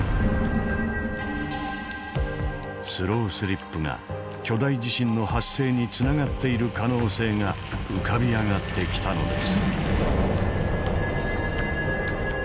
スロースリップが巨大地震の発生につながっている可能性が浮かび上がってきたのです。